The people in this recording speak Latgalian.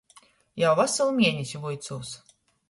Jau vasalu mienesi vuicūs!